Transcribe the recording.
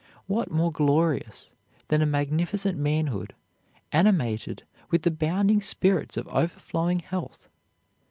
What more glorious than a magnificent manhood, animated with the bounding spirits of overflowing health?